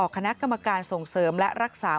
คณะกรรมการส่งเสริมและรักษา